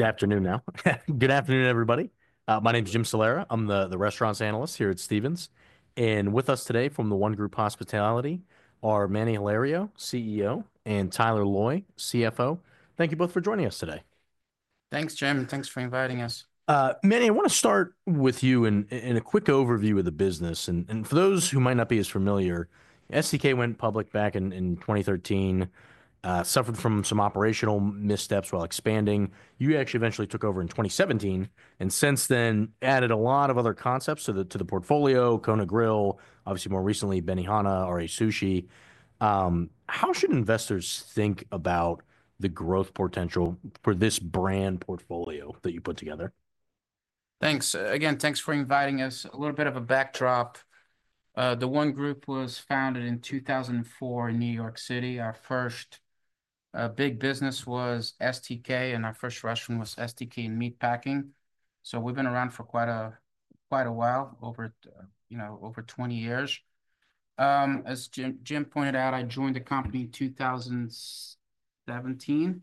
It's afternoon now. Good afternoon, everybody. My name is Jim Salera. I'm the restaurant analyst here at Stephens. And with us today from The One Group Hospitality are Manny Hilario, CEO, and Tyler Loy, CFO. Thank you both for joining us today. Thanks, Jim. Thanks for inviting us. Manny, I want to start with you and a quick overview of the business, and for those who might not be as familiar, STK went public back in 2013, suffered from some operational missteps while expanding. You actually eventually took over in 2017 and since then added a lot of other concepts to the portfolio: Kona Grill, obviously more recently Benihana, RA Sushi. How should investors think about the growth potential for this brand portfolio that you put together? Thanks. Again, thanks for inviting us. A little bit of a backdrop. The One Group was founded in 2004 in New York City. Our first big business was STK, and our first restaurant was STK and Meatpacking. So we've been around for quite a while, over 20 years. As Jim pointed out, I joined the company in 2017.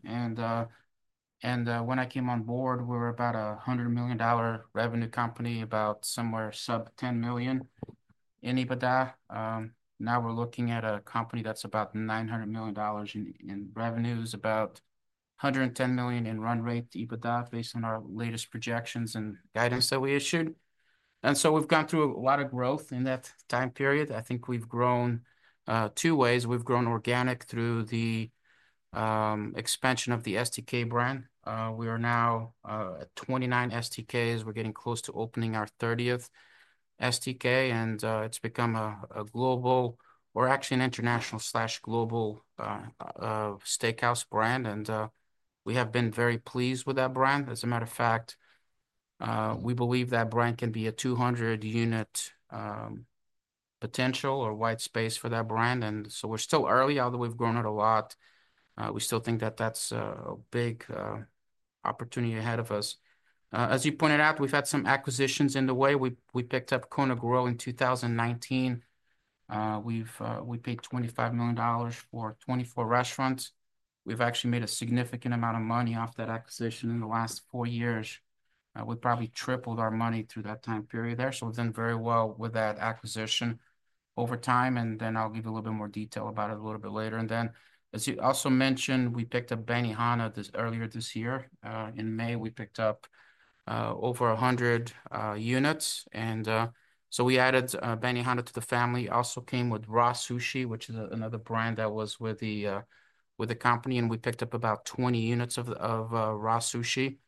And when I came on board, we were about a $100 million revenue company, about somewhere sub $10 million in EBITDA. Now we're looking at a company that's about $900 million in revenues, about $110 million in run rate EBITDA based on our latest projections and guidance that we issued. And so we've gone through a lot of growth in that time period. I think we've grown two ways. We've grown organic through the expansion of the STK brand. We are now at 29 STKs. We're getting close to opening our 30th STK, and it's become a global or actually an international/global steakhouse brand. We have been very pleased with that brand. As a matter of fact, we believe that brand can be a 200-unit potential or white space for that brand. We're still early, although we've grown it a lot. We still think that that's a big opportunity ahead of us. As you pointed out, we've had some acquisitions in the way. We picked up Kona Grill in 2019. We paid $25 million for 24 restaurants. We've actually made a significant amount of money off that acquisition in the last four years. We probably tripled our money through that time period there. We've done very well with that acquisition over time. I'll give you a little bit more detail about it a little bit later. And then, as you also mentioned, we picked up Benihana earlier this year. In May, we picked up over 100 units. And so we added Benihana to the family. Also came with RA Sushi, which is another brand that was with the company. And we picked up about 20 units of RA Sushi.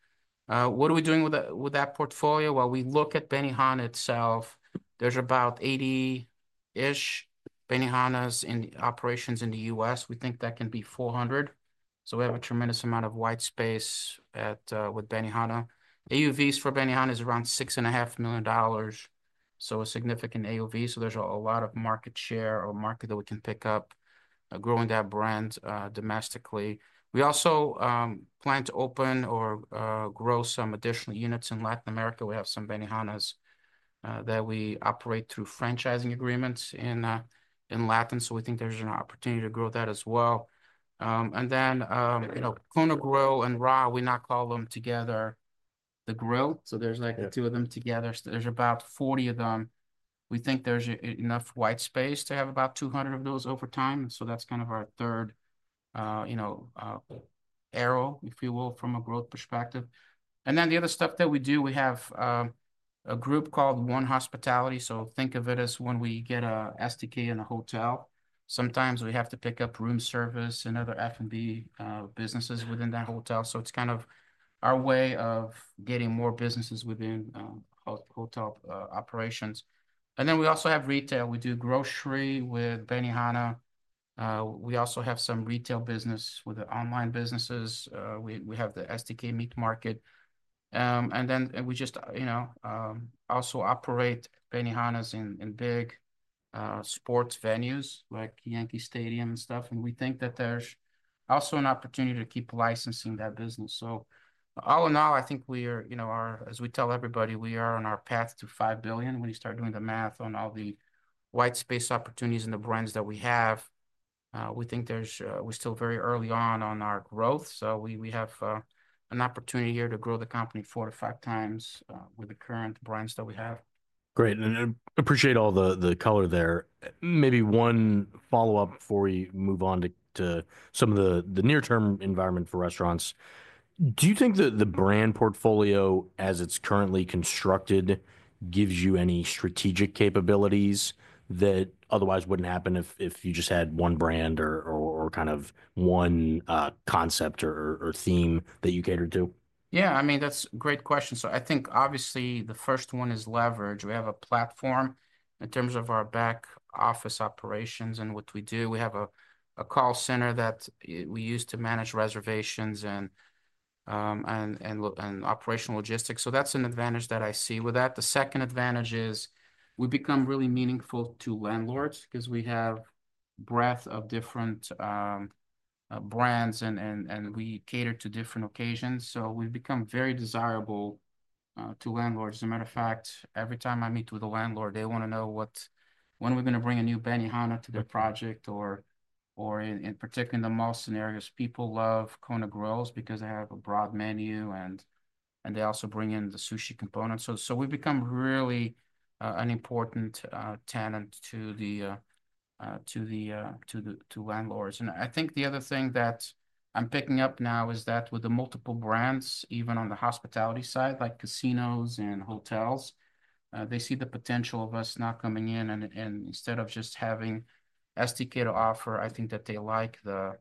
What are we doing with that portfolio? Well, we look at Benihana itself. There's about 80-ish Benihanas in operations in the U.S. We think that can be 400. So we have a tremendous amount of white space with Benihana. AUVs for Benihana is around $6.5 million. So a significant AUV. So there's a lot of market share or market that we can pick up growing that brand domestically. We also plan to open or grow some additional units in Latin America. We have some Benihanas that we operate through franchising agreements in Latin. So we think there's an opportunity to grow that as well. And then Kona Grill and RA, we now call them together the Grill. So there's like the two of them together. There's about 40 of them. We think there's enough White Space to have about 200 of those over time. So that's kind of our third arrow, if you will, from a growth perspective. And then the other stuff that we do, we have a group called One Hospitality. So think of it as when we get an STK in a hotel, sometimes we have to pick up room service and other F&B businesses within that hotel. So it's kind of our way of getting more businesses within hotel operations. And then we also have retail. We do grocery with Benihana. We also have some retail business with the online businesses. We have the STK Meat Market. And then we just also operate Benihanas in big sports venues like Yankee Stadium and stuff. And we think that there's also an opportunity to keep licensing that business. So all in all, I think we are, as we tell everybody, we are on our path to $5 billion when you start doing the math on all the white space opportunities and the brands that we have. We think we're still very early on our growth. So we have an opportunity here to grow the company four to five times with the current brands that we have. Great. And I appreciate all the color there. Maybe one follow-up before we move on to some of the near-term environment for restaurants. Do you think that the brand portfolio as it's currently constructed gives you any strategic capabilities that otherwise wouldn't happen if you just had one brand or kind of one concept or theme that you catered to? Yeah, I mean, that's a great question. So I think obviously the first one is leverage. We have a platform in terms of our back office operations and what we do. We have a call center that we use to manage reservations and operational logistics. So that's an advantage that I see with that. The second advantage is we become really meaningful to landlords because we have a breadth of different brands and we cater to different occasions. So we've become very desirable to landlords. As a matter of fact, every time I meet with a landlord, they want to know when we're going to bring a new Benihana to their project or in particular in the most scenarios, people love Kona Grill because they have a broad menu and they also bring in the sushi component. So we've become really an important tenant to landlords. I think the other thing that I'm picking up now is that with the multiple brands, even on the hospitality side, like casinos and hotels, they see the potential of us now coming in, and instead of just having STK to offer, I think that they like the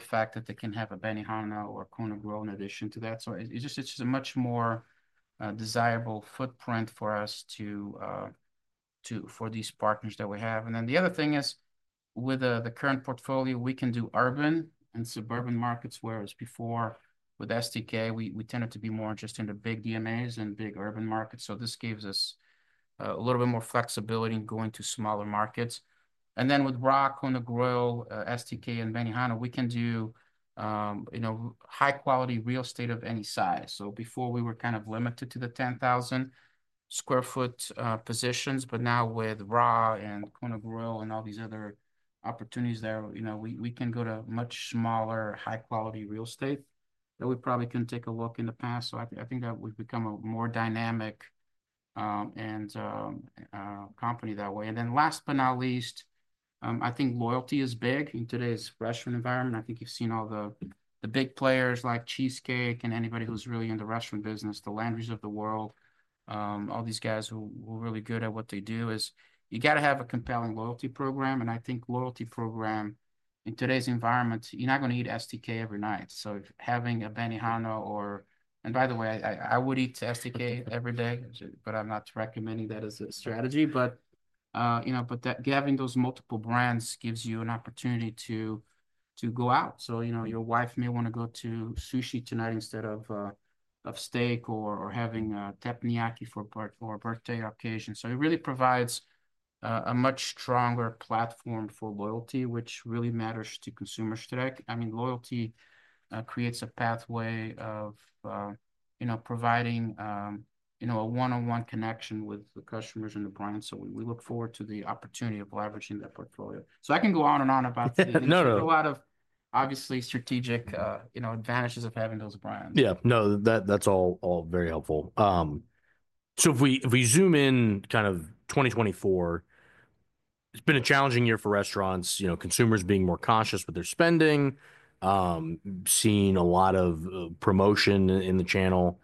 fact that they can have a Benihana or Kona Grill in addition to that. So it's just a much more desirable footprint for us for these partners that we have. The other thing is with the current portfolio, we can do urban and suburban markets, whereas before with STK, we tended to be more interested in the big DMAs and big urban markets. This gives us a little bit more flexibility in going to smaller markets. With RA, Kona Grill, STK, and Benihana, we can do high-quality real estate of any size. So before we were kind of limited to the 10,000 sq ft positions, but now with RA and Kona Grill and all these other opportunities there, we can go to much smaller, high-quality real estate that we probably couldn't take a look in the past. So I think that we've become a more dynamic company that way. And then last but not least, I think loyalty is big in today's restaurant environment. I think you've seen all the big players like Cheesecake and anybody who's really in the restaurant business, the Landry's of the World, all these guys who are really good at what they do is you got to have a compelling loyalty program. And I think loyalty program in today's environment, you're not going to eat STK every night. So having a Benihana or, and by the way, I would eat STK every day, but I'm not recommending that as a strategy. But having those multiple brands gives you an opportunity to go out. So your wife may want to go to sushi tonight instead of steak or having teppanyaki for a birthday occasion. So it really provides a much stronger platform for loyalty, which really matters to consumers today. I mean, loyalty creates a pathway of providing a one-on-one connection with the customers and the brand. So we look forward to the opportunity of leveraging that portfolio. So I can go on and on about the. No, no. A lot of obviously strategic advantages of having those brands. Yeah. No, that's all very helpful. So if we zoom in kind of 2024, it's been a challenging year for restaurants, consumers being more cautious with their spending, seeing a lot of promotion in the channel.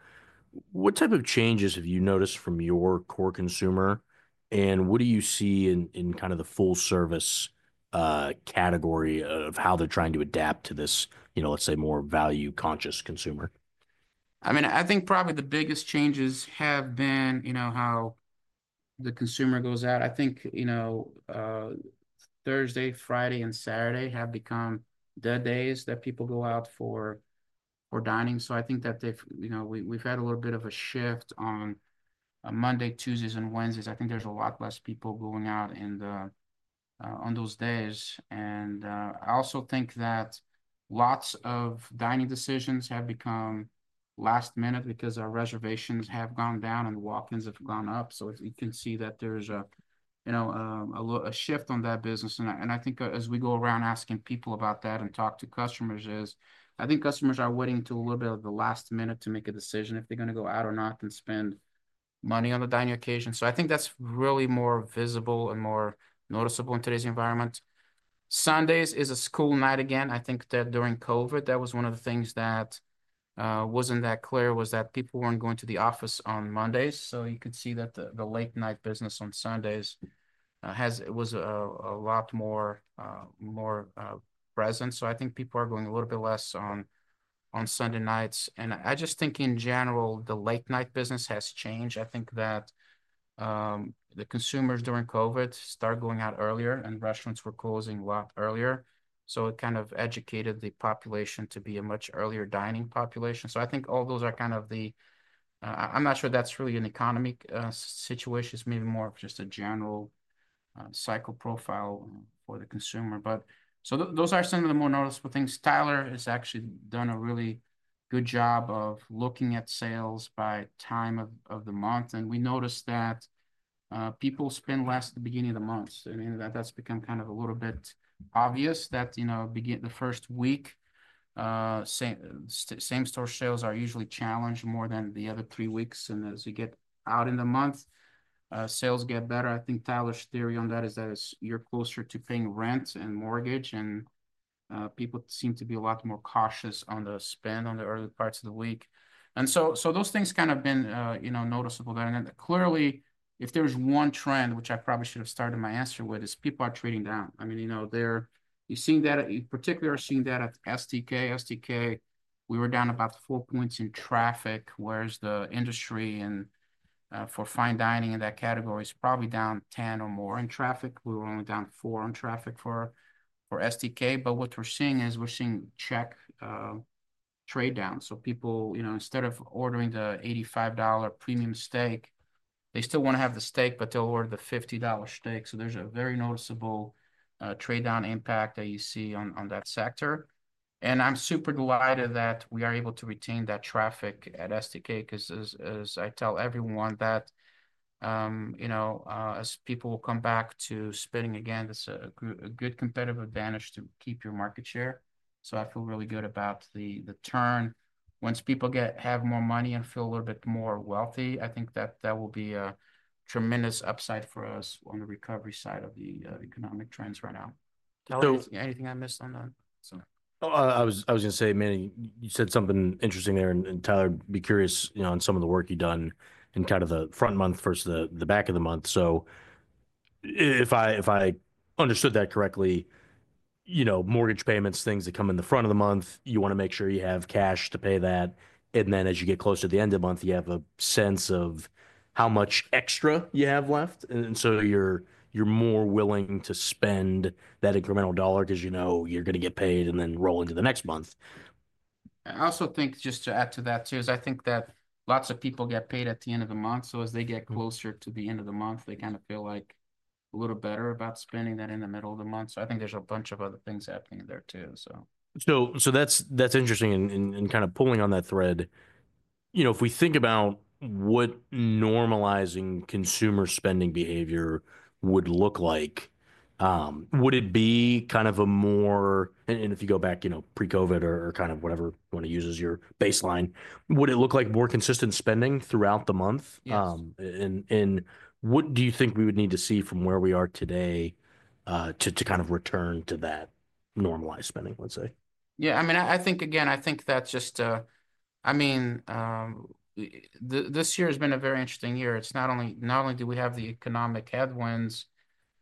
What type of changes have you noticed from your core consumer? And what do you see in kind of the full-service category of how they're trying to adapt to this, let's say, more value-conscious consumer? I mean, I think probably the biggest changes have been how the consumer goes out. I think Thursday, Friday, and Saturday have become the days that people go out for dining. So I think that we've had a little bit of a shift on Monday, Tuesdays, and Wednesdays. I think there's a lot less people going out on those days. And I also think that lots of dining decisions have become last minute because our reservations have gone down and walk-ins have gone up. So you can see that there's a shift on that business. And I think as we go around asking people about that and talk to customers, I think customers are waiting until a little bit of the last minute to make a decision if they're going to go out or not and spend money on the dining occasion. So I think that's really more visible and more noticeable in today's environment. Sundays is a school night again. I think that during COVID, that was one of the things that wasn't that clear was that people weren't going to the office on Mondays. So you could see that the late-night business on Sundays was a lot more present. So I think people are going a little bit less on Sunday nights. And I just think in general, the late-night business has changed. I think that the consumers during COVID started going out earlier and restaurants were closing a lot earlier. So it kind of educated the population to be a much earlier dining population. So I think all those are kind of the. I'm not sure that's really an economic situation. It's maybe more of just a general cycle profile for the consumer. But so those are some of the more noticeable things. Tyler has actually done a really good job of looking at sales by time of the month. And we noticed that people spend less at the beginning of the month. I mean, that's become kind of a little bit obvious that the first week, same-store sales are usually challenged more than the other three weeks. And as you get out in the month, sales get better. I think Tyler's theory on that is that you're closer to paying rent and mortgage, and people seem to be a lot more cautious on the spend on the early parts of the week. And so those things kind of been noticeable there. And clearly, if there's one trend, which I probably should have started my answer with, is people are trading down. I mean, you're seeing that, particularly you're seeing that at STK. STK, we were down about four points in traffic, whereas the industry for fine dining in that category is probably down 10 or more in traffic. We were only down four in traffic for STK. But what we're seeing is we're seeing check trade down. So people, instead of ordering the $85 premium steak, they still want to have the steak, but they'll order the $50 steak. So there's a very noticeable trade down impact that you see on that sector. And I'm super delighted that we are able to retain that traffic at STK because, as I tell everyone, as people will come back to spending again, it's a good competitive advantage to keep your market share. So I feel really good about the turn. Once people have more money and feel a little bit more wealthy, I think that that will be a tremendous upside for us on the recovery side of the economic trends right now. So? Anything I missed on that? I was going to say, Manny, you said something interesting there. And Tyler, be curious on some of the work you've done in kind of the front month versus the back of the month. So if I understood that correctly, mortgage payments, things that come in the front of the month, you want to make sure you have cash to pay that. And then as you get close to the end of the month, you have a sense of how much extra you have left. And so you're more willing to spend that incremental dollar because you know you're going to get paid and then roll into the next month. I also think just to add to that too is I think that lots of people get paid at the end of the month, so as they get closer to the end of the month, they kind of feel like a little better about spending that in the middle of the month, so I think there's a bunch of other things happening there too. So that's interesting in kind of pulling on that thread. If we think about what normalizing consumer spending behavior would look like, would it be kind of a more? And if you go back pre-COVID or kind of whatever you want to use as your baseline, would it look like more consistent spending throughout the month? And what do you think we would need to see from where we are today to kind of return to that normalized spending, let's say? Yeah. I mean, I think, again, I think that's just, I mean, this year has been a very interesting year. Not only do we have the economic headwinds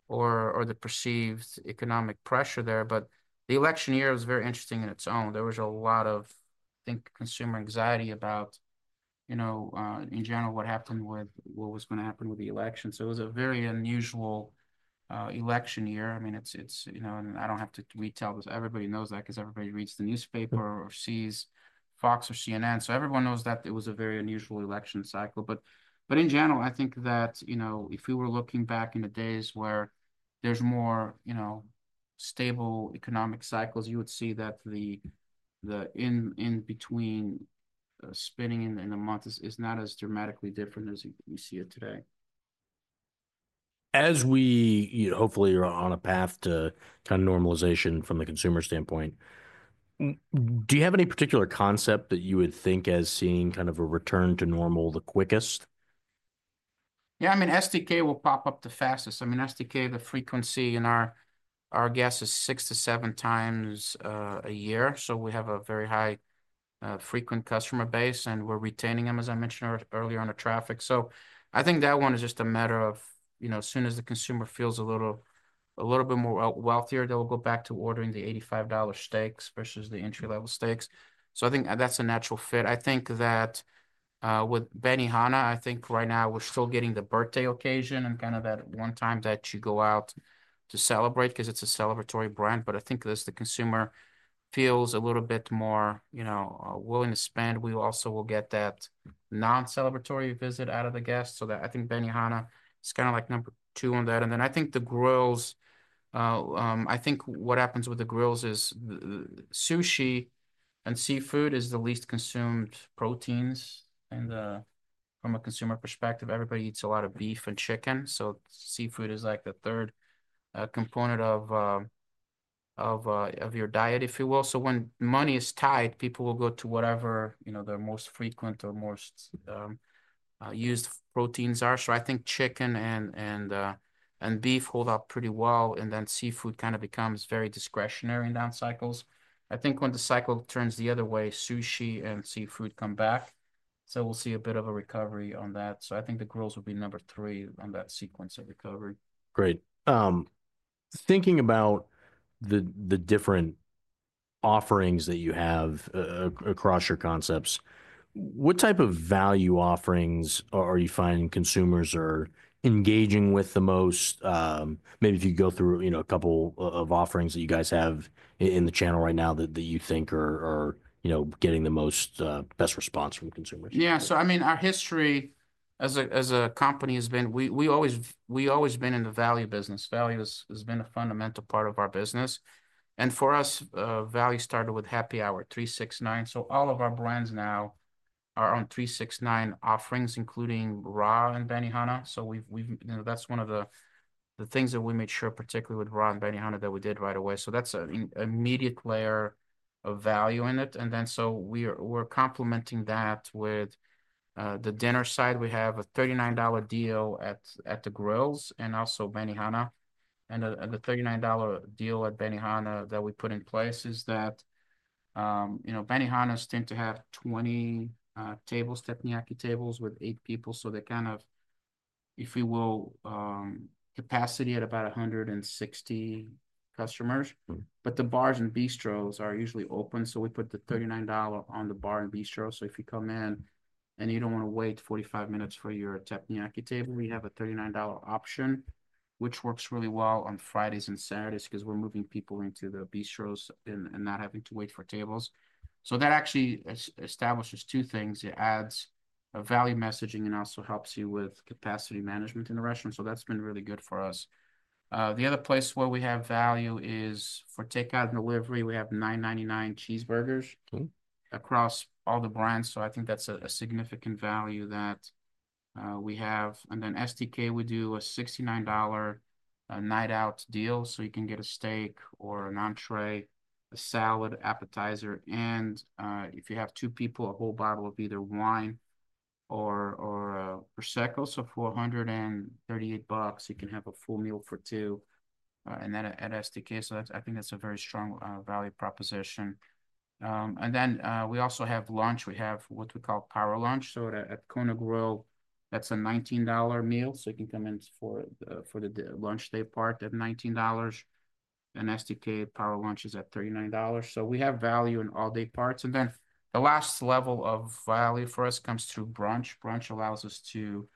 or the perceived economic pressure there, but the election year was very interesting in its own. There was a lot of, I think, consumer anxiety about, in general, what happened with what was going to happen with the election. So it was a very unusual election year. I mean, and I don't have to retell this. Everybody knows that because everybody reads the newspaper or sees Fox or CNN. So everyone knows that it was a very unusual election cycle. But in general, I think that if we were looking back in the days where there's more stable economic cycles, you would see that the in-between spending in the month is not as dramatically different as we see it today. As we hopefully are on a path to kind of normalization from the consumer standpoint, do you have any particular concept that you would think is seeing kind of a return to normal the quickest? Yeah. I mean, STK will pop up the fastest. I mean, STK, the frequency in our guests is six to seven times a year. So we have a very high-frequency customer base, and we're retaining them, as I mentioned earlier, on the traffic. So I think that one is just a matter of as soon as the consumer feels a little bit more wealthier, they'll go back to ordering the $85 steaks versus the entry-level steaks. So I think that's a natural fit. I think that with Benihana, I think right now we're still getting the birthday occasion and kind of that one time that you go out to celebrate because it's a celebratory brand. But I think as the consumer feels a little bit more willing to spend, we also will get that non-celebratory visit out of the guest. So I think Benihana is kind of like number two on that. And then I think the grills, I think what happens with the grills is sushi and seafood is the least consumed proteins. And from a consumer perspective, everybody eats a lot of beef and chicken. So seafood is like the third component of your diet, if you will. So when money is tight, people will go to whatever the most frequent or most used proteins are. So I think chicken and beef hold up pretty well. And then seafood kind of becomes very discretionary in down cycles. I think when the cycle turns the other way, sushi and seafood come back. So we'll see a bit of a recovery on that. So I think the grills will be number three on that sequence of recovery. Great. Thinking about the different offerings that you have across your concepts, what type of value offerings are you finding consumers are engaging with the most? Maybe if you go through a couple of offerings that you guys have in the channel right now that you think are getting the best response from consumers. Yeah. So I mean, our history as a company has been, we always been in the value business. Value has been a fundamental part of our business. And for us, value started with Happy Hour, 369. So all of our brands now are on 369 offerings, including RA and Benihana. So that's one of the things that we made sure, particularly with RA and Benihana, that we did right away. So that's an immediate layer of value in it. And then so we're complementing that with the dinner side. We have a $39 deal at the grills and also Benihana. And the $39 deal at Benihana that we put in place is that Benihanas tend to have 20 tables, teppanyaki tables with eight people. So they kind of, if you will, capacity at about 160 customers. But the bars and bistros are usually open. We put the $39 on the bar and bistro. So if you come in and you don't want to wait 45 minutes for your teppanyaki table, we have a $39 option, which works really well on Fridays and Saturdays because we're moving people into the bistros and not having to wait for tables. So that actually establishes two things. It adds value messaging and also helps you with capacity management in the restaurant. So that's been really good for us. The other place where we have value is for takeout and delivery. We have $9.99 cheeseburgers across all the brands. So I think that's a significant value that we have. And then STK, we do a $69 night-out deal. So you can get a steak or an entrée, a salad, appetizer. And if you have two people, a whole bottle of either wine or Prosecco. So for $138, you can have a full meal for two. And then at STK, so I think that's a very strong value proposition. And then we also have lunch. We have what we call Power Lunch. So at Kona Grill, that's a $19 meal. So you can come in for the lunch day part at $19. And STK Power Lunch is at $39. So we have value in all day parts. And then the last level of value for us comes through brunch. Brunch allows us to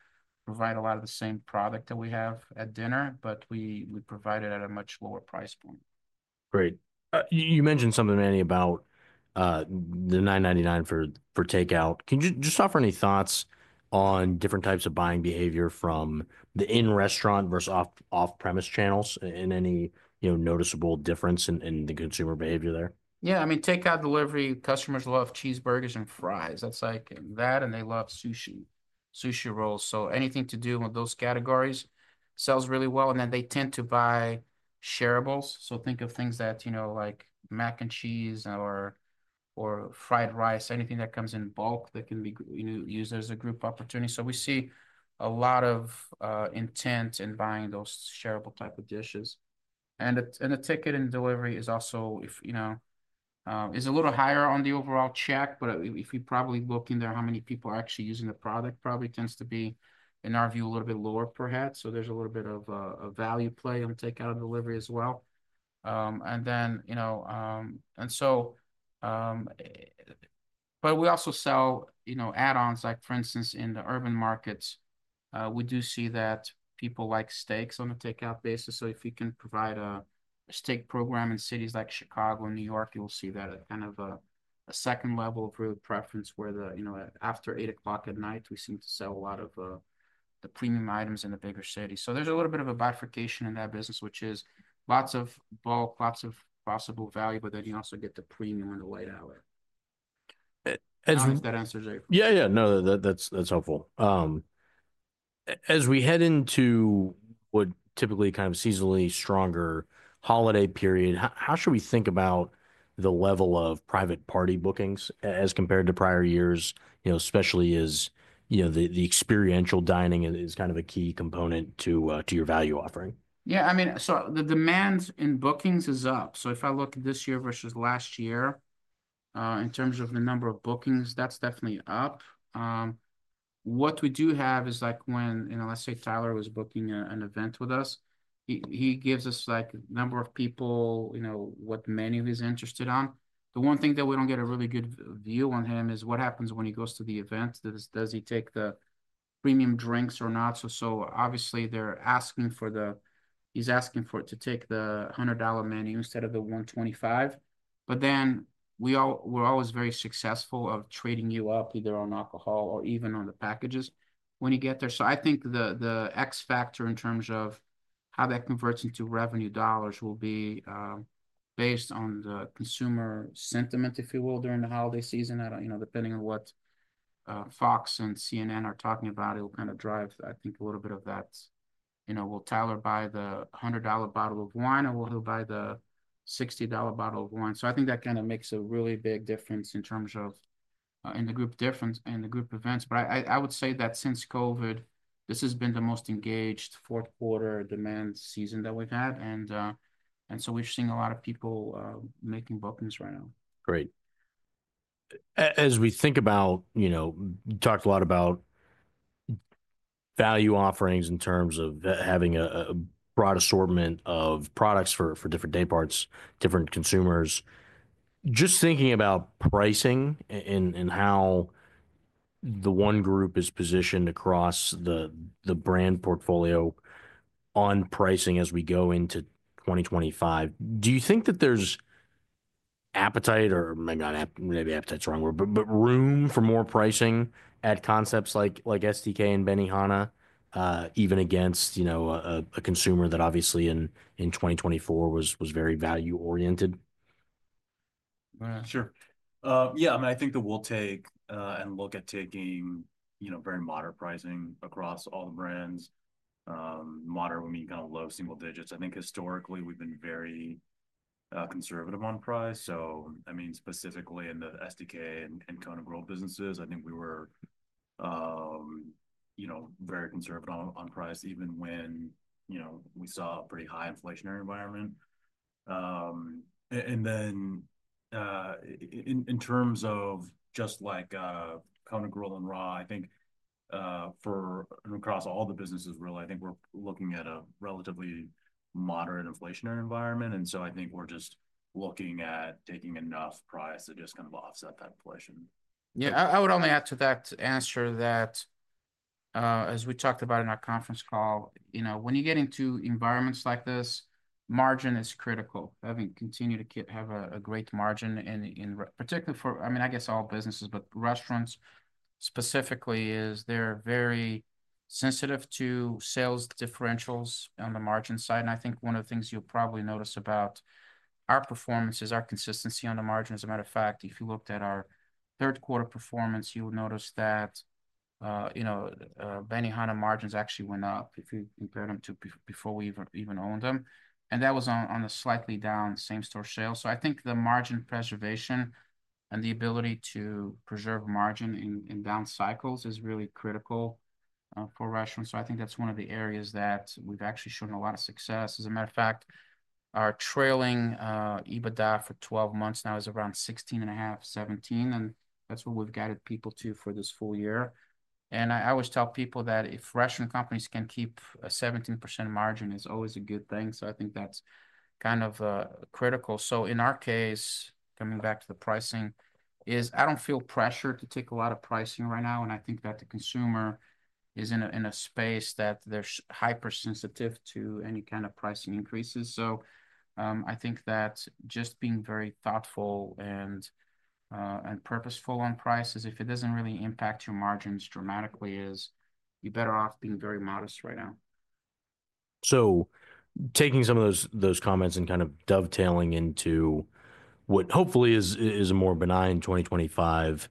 provide a lot of the same product that we have at dinner, but we provide it at a much lower price point. Great. You mentioned something, Manny, about the $9.99 for takeout. Can you just offer any thoughts on different types of buying behavior from the in-restaurant versus off-premise channels and any noticeable difference in the consumer behavior there? Yeah. I mean, takeout delivery, customers love cheeseburgers and fries. That's like that. And they love sushi, sushi rolls. So anything to do with those categories sells really well. And then they tend to buy shareables. So think of things that like mac and cheese or fried rice, anything that comes in bulk that can be used as a group opportunity. So we see a lot of intent in buying those shareable type of dishes. And the takeout and delivery is also a little higher on the overall check. But if you probably look in there, how many people are actually using the product probably tends to be, in our view, a little bit lower per head. So there's a little bit of a value play on takeout and delivery as well. And so but we also sell add-ons. Like for instance, in the urban markets, we do see that people like steaks on a takeout basis. So if you can provide a steak program in cities like Chicago and New York, you will see that at kind of a second level of real preference where after 8:00 P.M., we seem to sell a lot of the premium items in the bigger city. So there's a little bit of a bifurcation in that business, which is lots of bulk, lots of possible value, but then you also get the premium and the late hour. I hope that answers it. Yeah, yeah. No, that's helpful. As we head into what typically kind of seasonally stronger holiday period, how should we think about the level of private party bookings as compared to prior years, especially as the experiential dining is kind of a key component to your value offering? Yeah. I mean, so the demand in bookings is up. So if I look at this year versus last year in terms of the number of bookings, that's definitely up. What we do have is like when, let's say, Tyler was booking an event with us, he gives us a number of people, what menu he's interested on. The one thing that we don't get a really good view on him is what happens when he goes to the event. Does he take the premium drinks or not? So obviously, he's asking for it to take the $100 menu instead of the $125. But then we're always very successful at trading you up either on alcohol or even on the packages when you get there. So I think the X factor in terms of how that converts into revenue dollars will be based on the consumer sentiment, if you will, during the holiday season. Depending on what Fox News and CNN are talking about, it will kind of drive, I think, a little bit of that. Will Tyler buy the $100 bottle of wine or will he buy the $60 bottle of wine? So I think that kind of makes a really big difference in terms of in the group difference and the group events. But I would say that since COVID, this has been the most engaged fourth quarter demand season that we've had. And so we've seen a lot of people making bookings right now. Great. As we think about, you talked a lot about value offerings in terms of having a broad assortment of products for different day parts, different consumers. Just thinking about pricing and how the One Group is positioned across the brand portfolio on pricing as we go into 2025, do you think that there's appetite or maybe appetite's the wrong word, but room for more pricing at concepts like STK and Benihana, even against a consumer that obviously in 2024 was very value-oriented? Sure. Yeah. I mean, I think that we'll take and look at taking very moderate pricing across all the brands. Moderate would mean kind of low single digits. I think historically, we've been very conservative on price. So I mean, specifically in the STK and Kona Grill businesses, I think we were very conservative on price even when we saw a pretty high inflationary environment. And then in terms of just like Kona Grill and RA, I think across all the businesses, really, I think we're looking at a relatively moderate inflationary environment. And so I think we're just looking at taking enough price to just kind of offset that inflation. Yeah. I would only add to that answer that as we talked about in our conference call, when you get into environments like this, margin is critical. Having continued to have a great margin, particularly for, I mean, I guess all businesses, but restaurants specifically is they're very sensitive to sales differentials on the margin side. And I think one of the things you'll probably notice about our performance is our consistency on the margins. As a matter of fact, if you looked at our third quarter performance, you would notice that Benihana margins actually went up if you compare them to before we even owned them. And that was on a slightly down same-store sale. So I think the margin preservation and the ability to preserve margin in down cycles is really critical for restaurants. So I think that's one of the areas that we've actually shown a lot of success. As a matter of fact, our trailing EBITDA for 12 months now is around 16.5-17. And that's what we've guided people to for this full year. And I always tell people that if restaurant companies can keep a 17% margin, it's always a good thing. So I think that's kind of critical. So in our case, coming back to the pricing, I don't feel pressured to take a lot of pricing right now. And I think that the consumer is in a space that they're hypersensitive to any kind of pricing increases. So I think that just being very thoughtful and purposeful on prices, if it doesn't really impact your margins dramatically, you're better off being very modest right now. So taking some of those comments and kind of dovetailing into what hopefully is a more benign 2025,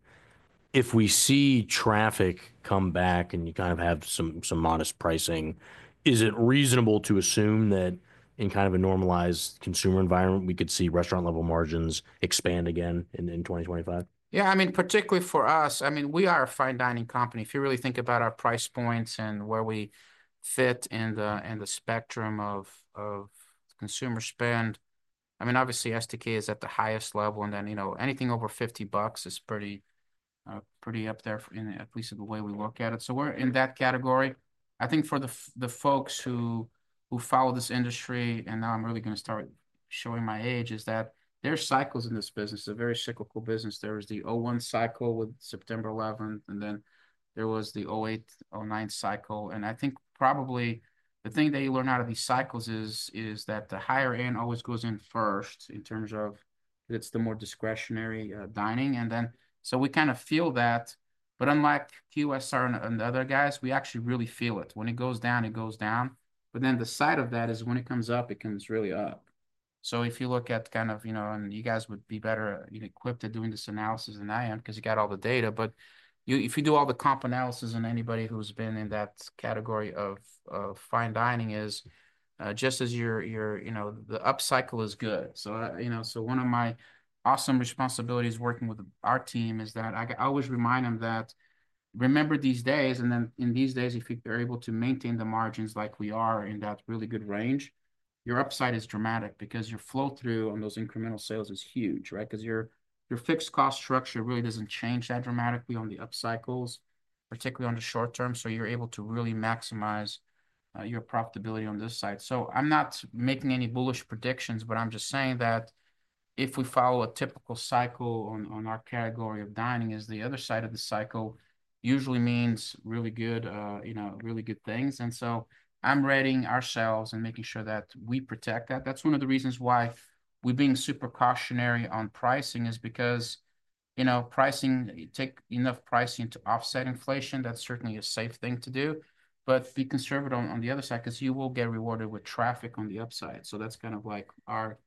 if we see traffic come back and you kind of have some modest pricing, is it reasonable to assume that in kind of a normalized consumer environment, we could see restaurant-level margins expand again in 2025? Yeah. I mean, particularly for us, I mean, we are a fine dining company. If you really think about our price points and where we fit in the spectrum of consumer spend, I mean, obviously, STK is at the highest level. And then anything over $50 is pretty up there, at least in the way we look at it. So we're in that category. I think for the folks who follow this industry, and now I'm really going to start showing my age, is that there are cycles in this business. It's a very cyclical business. There was the 2001 cycle with September 11th, and then there was the 2008, 2009 cycle. And I think probably the thing that you learn out of these cycles is that the higher end always goes in first in terms of it's the more discretionary dining. And then, so we kind of feel that. But unlike QSR and the other guys, we actually really feel it. When it goes down, it goes down. But then the side of that is when it comes up, it comes really up. So if you look at kind of, and you guys would be better equipped at doing this analysis than I am because you got all the data. But if you do all the comp analysis and anybody who's been in that category of fine dining is just as the up cycle is good. So one of my awesome responsibilities working with our team is that I always remind them that, remember these days. And then in these days, if you're able to maintain the margins like we are in that really good range, your upside is dramatic because your flow through on those incremental sales is huge, right? Because your fixed cost structure really doesn't change that dramatically on the up cycles, particularly on the short term. So you're able to really maximize your profitability on this side. So I'm not making any bullish predictions, but I'm just saying that if we follow a typical cycle on our category of dining, the other side of the cycle usually means really good, really good things. And so I'm readying ourselves and making sure that we protect that. That's one of the reasons why we're being super cautionary on pricing is because take enough pricing to offset inflation. That's certainly a safe thing to do. But be conservative on the other side because you will get rewarded with traffic on the upside. So that's kind of like our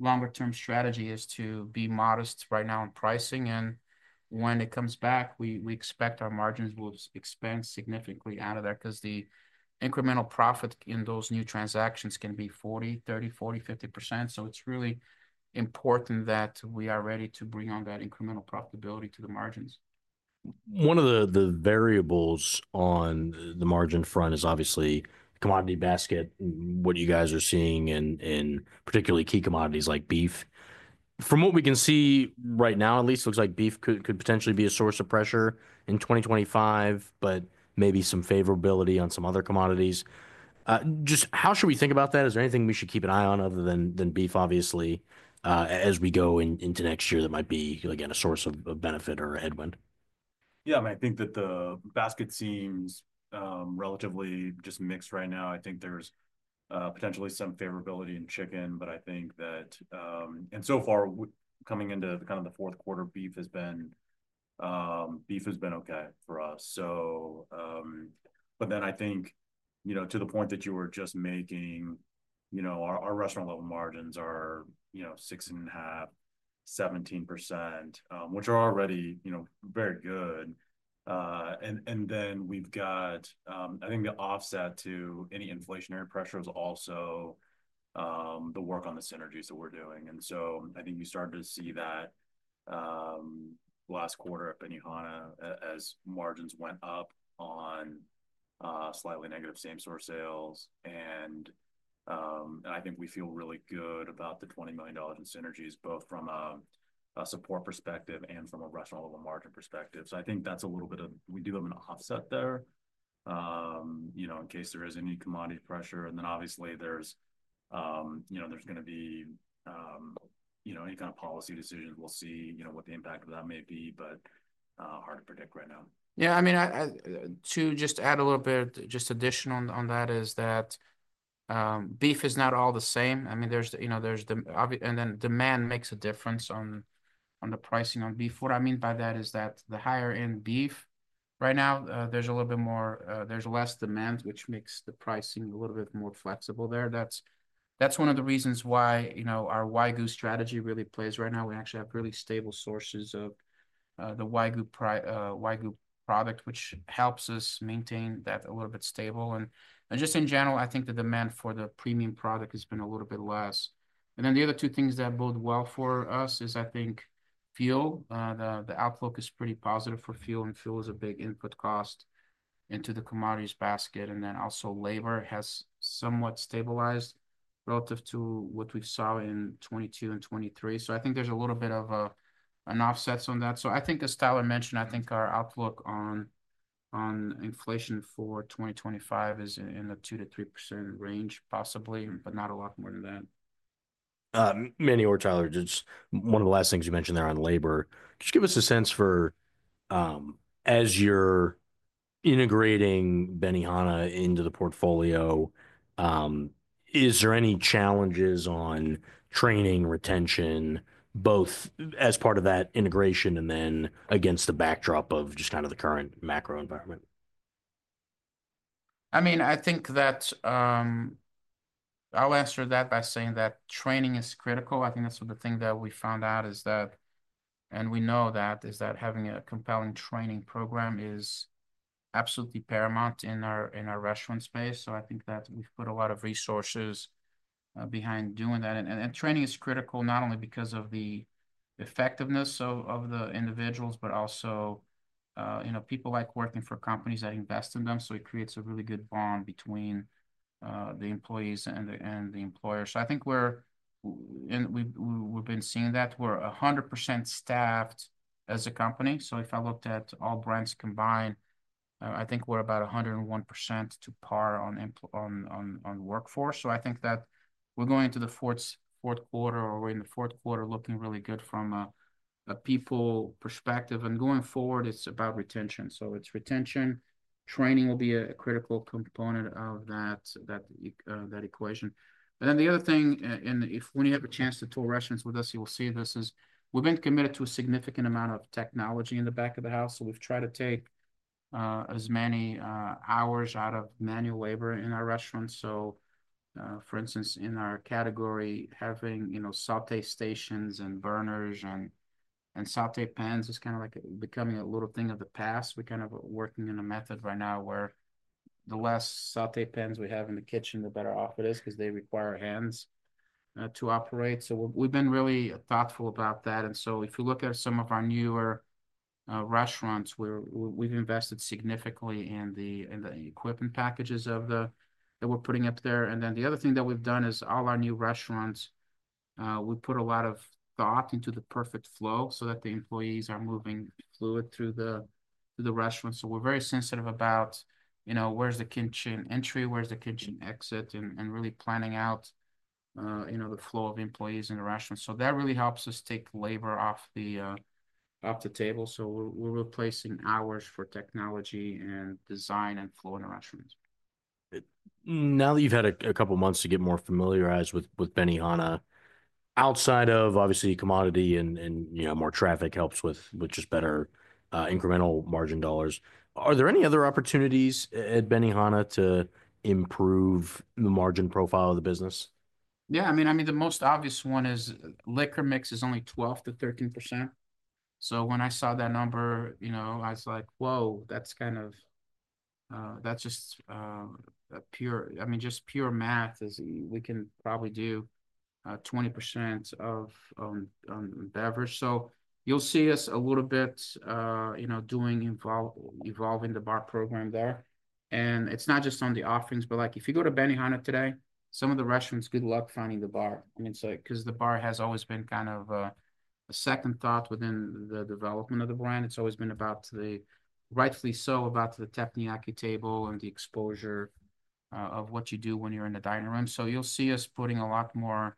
longer-term strategy is to be modest right now on pricing. When it comes back, we expect our margins will expand significantly out of there because the incremental profit in those new transactions can be 40, 30, 40, 50%. It's really important that we are ready to bring on that incremental profitability to the margins. One of the variables on the margin front is obviously commodity basket, what you guys are seeing in particular key commodities like beef. From what we can see right now, at least, it looks like beef could potentially be a source of pressure in 2025, but maybe some favorability on some other commodities. Just how should we think about that? Is there anything we should keep an eye on other than beef, obviously, as we go into next year that might be, again, a source of benefit or headwind? Yeah. I mean, I think that the basket seems relatively just mixed right now. I think there's potentially some favorability in chicken. But I think that, and so far, coming into kind of the fourth quarter, beef has been okay for us. But then I think to the point that you were just making, our restaurant-level margins are 6.5%, 17%, which are already very good. And then we've got, I think, the offset to any inflationary pressure is also the work on the synergies that we're doing. And so I think you started to see that last quarter at Benihana as margins went up on slightly negative same-store sales. And I think we feel really good about the $20 million in synergies, both from a support perspective and from a restaurant-level margin perspective. So I think that's a little bit of we do have an offset there in case there is any commodity pressure. And then obviously, there's going to be any kind of policy decisions. We'll see what the impact of that may be, but hard to predict right now. Yeah. I mean, to just add a little bit, just addition on that is that beef is not all the same. I mean, there's the, and then demand makes a difference on the pricing on beef. What I mean by that is that the higher-end beef right now, there's a little bit more. There's less demand, which makes the pricing a little bit more flexible there. That's one of the reasons why our Wagyu strategy really plays right now. We actually have really stable sources of the Wagyu product, which helps us maintain that a little bit stable. And just in general, I think the demand for the premium product has been a little bit less. And then the other two things that bode well for us is, I think, fuel. The outlook is pretty positive for fuel. And fuel is a big input cost into the commodities basket. And then also labor has somewhat stabilized relative to what we saw in 2022 and 2023. So I think there's a little bit of an offset on that. So I think, as Tyler mentioned, I think our outlook on inflation for 2025 is in the 2%-3% range, possibly, but not a lot more than that. Manny or Tyler, just one of the last things you mentioned there on labor. Just give us a sense for as you're integrating Benihana into the portfolio, is there any challenges on training retention, both as part of that integration and then against the backdrop of just kind of the current macro environment? I mean, I think that I'll answer that by saying that training is critical. I think that's the thing that we found out is that, and we know that, is that having a compelling training program is absolutely paramount in our restaurant space. So I think that we've put a lot of resources behind doing that. And training is critical not only because of the effectiveness of the individuals, but also people like working for companies that invest in them. So it creates a really good bond between the employees and the employer. So I think we're and we've been seeing that we're 100% staffed as a company. So if I looked at all brands combined, I think we're about 101% to par on workforce. So I think that we're going into the fourth quarter, or we're in the fourth quarter looking really good from a people perspective. Going forward, it's about retention. It's retention. Training will be a critical component of that equation. Then the other thing, and if when you have a chance to tour restaurants with us, you will see this is we've been committed to a significant amount of technology in the back of the house. So we've tried to take as many hours out of manual labor in our restaurants. For instance, in our category, having sauté stations and burners and sauté pans is kind of like becoming a little thing of the past. We're kind of working in a method right now where the less sauté pans we have in the kitchen, the better off it is because they require hands to operate. So we've been really thoughtful about that. And so if you look at some of our newer restaurants, we've invested significantly in the equipment packages that we're putting in there. And then the other thing that we've done is all our new restaurants, we put a lot of thought into the perfect flow so that the employees are moving fluidly through the restaurant. So we're very sensitive about where's the kitchen entry, where's the kitchen exit, and really planning out the flow of employees in the restaurant. So that really helps us take labor off the table. So we're replacing hours with technology and design and flow in the restaurant. Now that you've had a couple of months to get more familiarized with Benihana, outside of obviously commodity and more traffic helps with just better incremental margin dollars, are there any other opportunities at Benihana to improve the margin profile of the business? Yeah. I mean, the most obvious one is liquor mix is only 12%-13%. So when I saw that number, I was like, "Whoa, that's kind of just pure, I mean, just pure math is we can probably do 20% of beverage." So you'll see us a little bit doing evolving the bar program there. And it's not just on the offerings, but if you go to Benihana today, some of the restaurants, good luck finding the bar. I mean, because the bar has always been kind of a second thought within the development of the brand. It's always been about the, rightfully so, about the teppanyaki table and the exposure of what you do when you're in the dining room. So you'll see us putting a lot more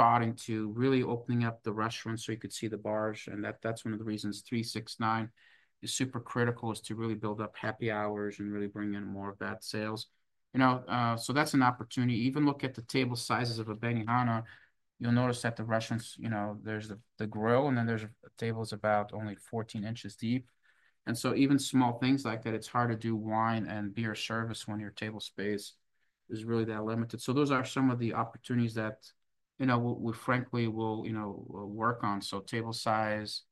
thought into really opening up the restaurants so you could see the bars. And that's one of the reasons 369 is super critical, is to really build up happy hours and really bring in more of that sales. So that's an opportunity. Even look at the table sizes of a Benihana. You'll notice that the restaurants, there's the grill, and then there's tables about only 14 inches deep. And so even small things like that, it's hard to do wine and beer service when your table space is really that limited. So those are some of the opportunities that we frankly will work on. So table size,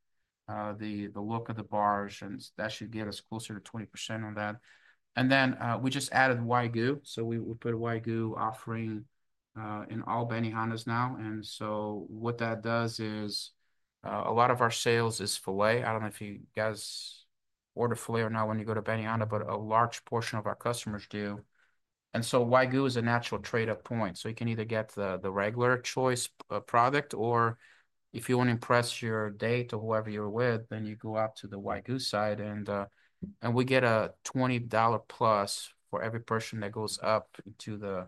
the look of the bars, and that should get us closer to 20% on that. And then we just added Wagyu. So we put Wagyu offering in all Benihanas now. And so what that does is a lot of our sales is filet. I don't know if you guys order filet or not when you go to Benihana, but a large portion of our customers do. And so Wagyu is a natural trade-off point. So you can either get the regular choice product, or if you want to impress your date or whoever you're with, then you go out to the Wagyu side. And we get a $20+ for every person that goes up to the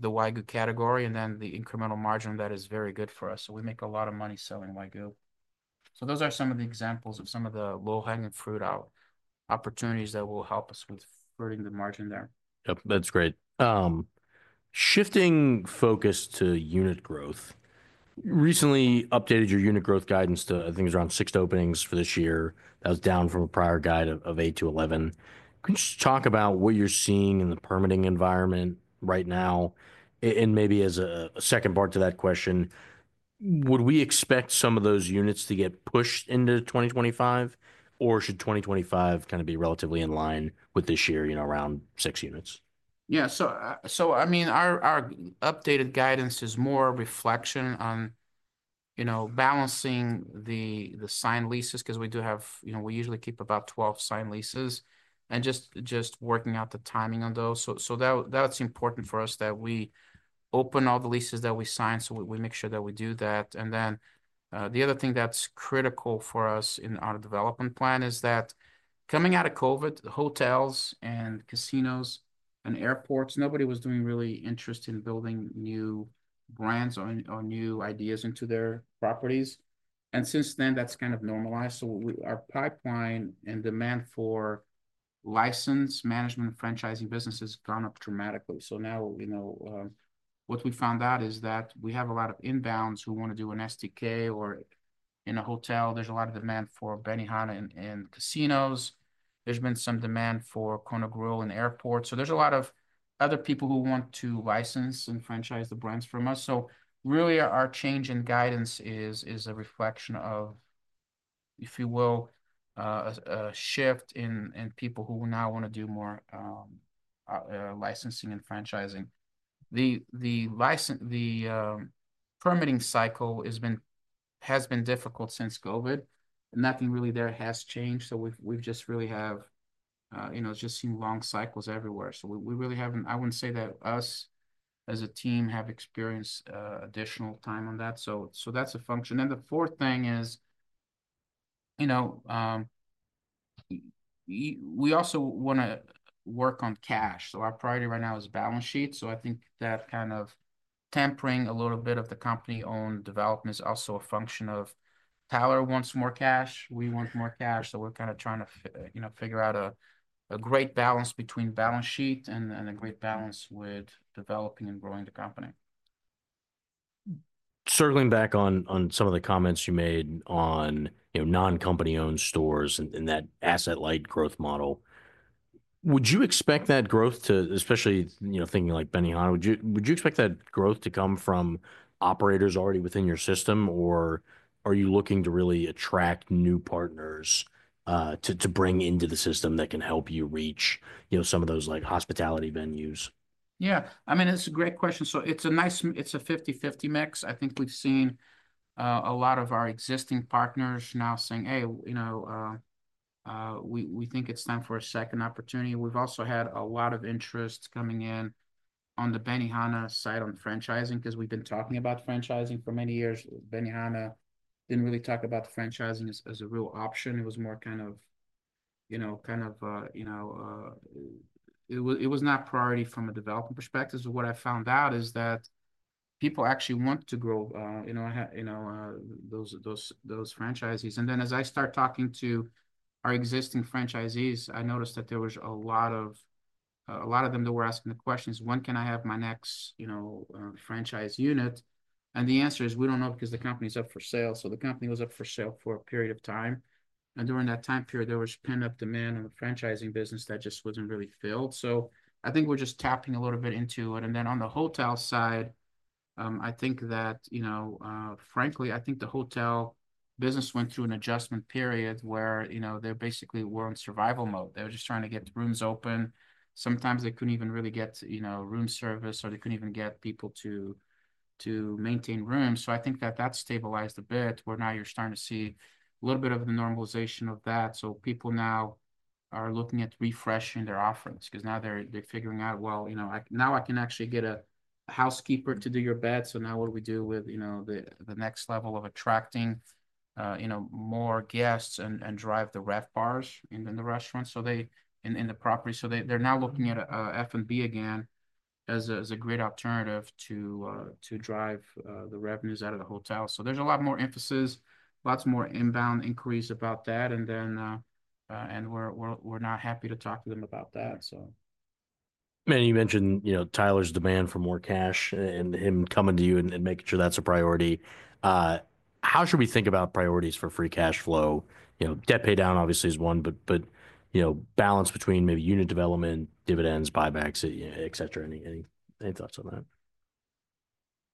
Wagyu category. And then the incremental margin of that is very good for us. So we make a lot of money selling Wagyu. So those are some of the examples of some of the low-hanging fruit opportunities that will help us with furthering the margin there. Yep. That's great. Shifting focus to unit growth. Recently updated your unit growth guidance to, I think, it was around six openings for this year. That was down from a prior guide of eight to 11. Can you just talk about what you're seeing in the permitting environment right now? And maybe as a second part to that question, would we expect some of those units to get pushed into 2025, or should 2025 kind of be relatively in line with this year, around six units? Yeah. So I mean, our updated guidance is more a reflection on balancing the signed leases because we do have. We usually keep about 12 signed leases and just working out the timing on those. So that's important for us that we open all the leases that we sign. So we make sure that we do that. And then the other thing that's critical for us in our development plan is that coming out of COVID, hotels and casinos and airports, nobody was really interested in building new brands or new ideas into their properties. And since then, that's kind of normalized. So our pipeline and demand for licensing, management, and franchising business has gone up dramatically. So now what we found out is that we have a lot of inbounds who want to do an STK or in a hotel. There's a lot of demand for Benihana and casinos. There's been some demand for Kona Grill and airports. So there's a lot of other people who want to license and franchise the brands from us. So really, our change in guidance is a reflection of, if you will, a shift in people who now want to do more licensing and franchising. The permitting cycle has been difficult since COVID, and nothing really there has changed. So we just really have just seen long cycles everywhere. So we really haven't. I wouldn't say that us as a team have experienced additional time on that. So that's a function. And the fourth thing is we also want to work on cash. So our priority right now is balance sheet. So I think that kind of tempering a little bit of the company-owned development is also a function of Tyler wants more cash. We want more cash. So we're kind of trying to figure out a great balance between balance sheet and a great balance with developing and growing the company. Circling back on some of the comments you made on non-company-owned stores and that asset-light growth model, would you expect that growth to, especially thinking like Benihana, would you expect that growth to come from operators already within your system, or are you looking to really attract new partners to bring into the system that can help you reach some of those hospitality venues? Yeah. I mean, it's a great question. So it's a 50/50 mix. I think we've seen a lot of our existing partners now saying, "Hey, we think it's time for a second opportunity." We've also had a lot of interest coming in on the Benihana side on franchising because we've been talking about franchising for many years. Benihana didn't really talk about franchising as a real option. It was more kind of it was not a priority from a development perspective. So what I found out is that people actually want to grow those franchisees. And then as I start talking to our existing franchisees, I noticed that there was a lot of them that were asking the questions, "When can I have my next franchise unit?" And the answer is, "We don't know because the company's up for sale." So the company was up for sale for a period of time. And during that time period, there was pent-up demand in the franchising business that just wasn't really filled. So I think we're just tapping a little bit into it. And then on the hotel side, I think that, frankly, I think the hotel business went through an adjustment period where they basically were in survival mode. They were just trying to get rooms open. Sometimes they couldn't even really get room service, or they couldn't even get people to maintain rooms. So I think that that's stabilized a bit where now you're starting to see a little bit of the normalization of that. So people now are looking at refreshing their offerings because now they're figuring out, "Well, now I can actually get a housekeeper to do your bed." So now what do we do with the next level of attracting more guests and drive the ref bars in the restaurants in the property? So they're now looking at F&B again as a great alternative to drive the revenues out of the hotel. So there's a lot more emphasis, lots more inbound increase about that. And we're not happy to talk to them about that, so. Manny, you mentioned Tyler's demand for more cash and him coming to you and making sure that's a priority. How should we think about priorities for Free Cash flow? Debt pay down obviously is one, but balance between maybe unit development, dividends, buybacks, etc. Any thoughts on that?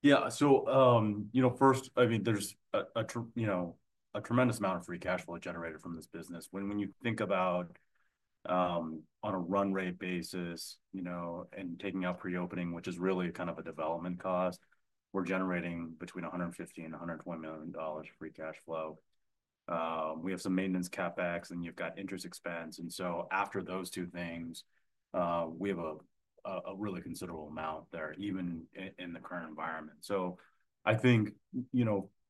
Yeah. So first, I mean, there's a tremendous amount of Free Cash flow generated from this business. When you think about on a run rate basis and taking out pre-opening, which is really kind of a development cost, we're generating between $150 and $120 million Free Cash flow. We have some maintenance CapEx, and you've got interest expense. And so after those two things, we have a really considerable amount there even in the current environment. So I think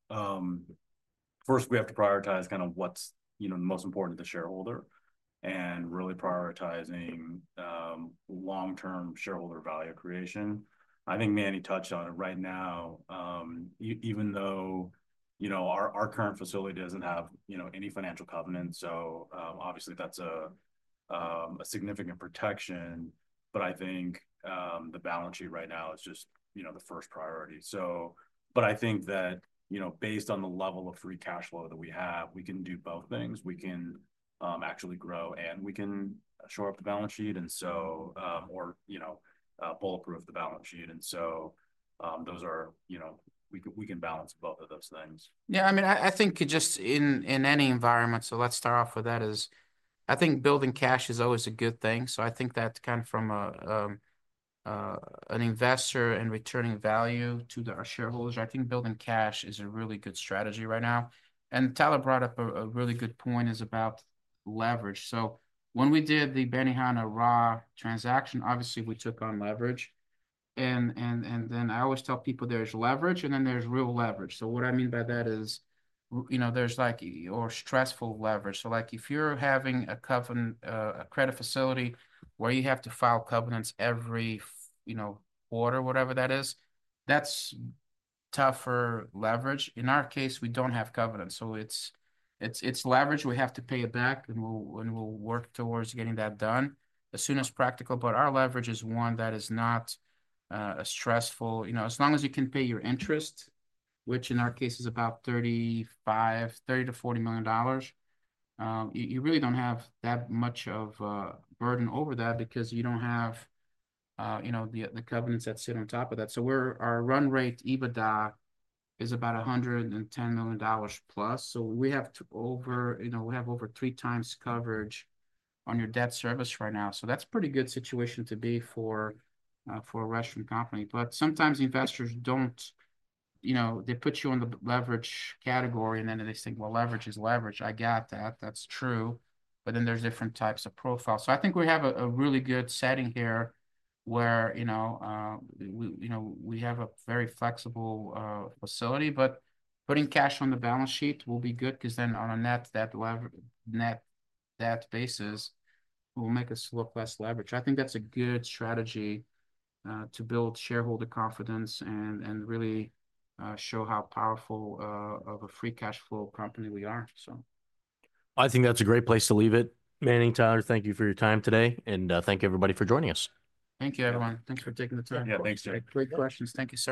first, we have to prioritize kind of what's most important to the shareholder and really prioritizing long-term shareholder value creation. I think Manny touched on it right now. Even though our current facility doesn't have any financial covenants, so obviously that's a significant protection, but I think the balance sheet right now is just the first priority. But I think that based on the level of Free Cash flow that we have, we can do both things. We can actually grow, and we can shore up the balance sheet or bulletproof the balance sheet. And so we can balance both of those things. Yeah. I mean, I think just in any environment, so let's start off with that, is I think building cash is always a good thing. So I think that kind of from an investor and returning value to our shareholders, I think building cash is a really good strategy right now. And Tyler brought up a really good point is about leverage. So when we did the Benihana, RA transaction, obviously we took on leverage. And then I always tell people there's leverage, and then there's real leverage. So what I mean by that is there's like stressful leverage. So if you're having a credit facility where you have to file covenants every quarter, whatever that is, that's tougher leverage. In our case, we don't have covenants. So it's leverage. We have to pay it back, and we'll work towards getting that done as soon as practical. Our leverage is one that is not stressful. As long as you can pay your interest, which in our case is about $30 million-$40 million, you really don't have that much of a burden over that because you don't have the covenants that sit on top of that. So our run rate EBITDA is about $110 million+. So we have over three times coverage on your debt service right now. So that's a pretty good situation to be for a restaurant company. But sometimes investors don't. They put you on the leverage category, and then they say, "Well, leverage is leverage. I got that. That's true." But then there's different types of profiles. So I think we have a really good setting here where we have a very flexible facility. But putting cash on the balance sheet will be good because then on a net debt basis, we'll make us look less leverage. I think that's a good strategy to build shareholder confidence and really show how powerful of a Free Cash flow company we are, so. I think that's a great place to leave it. Manny, Tyler, thank you for your time today. And thank you, everybody, for joining us. Thank you, everyone. Thanks for taking the time. Yeah. Thanks, Jim. Great questions. Thank you Sir.